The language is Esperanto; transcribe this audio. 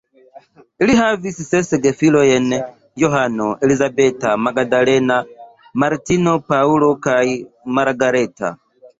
Ili havis ses gefilojn: Johano, Elizabeta, Magdalena, Martino, Paŭlo kaj Margareta.